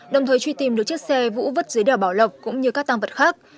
đồng thời truy tìm được chiếc xe vũ vứt dưới đèo bảo lộc cũng như các tăng vật khác